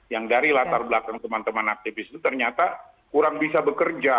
yang dari latar belakang teman teman aktivis itu ternyata kurang bisa bekerja